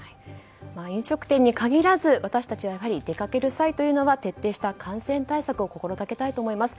飲食店に限らず私たちは出かける際は徹底した感染対策を心がけたいと思います。